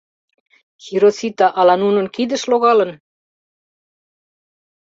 Хиросита ала нунын кидыш логалын?